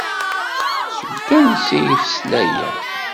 Seg wansi ay d-tesla aya?